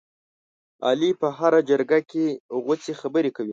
علي په هره جرګه کې غوڅې خبرې کوي.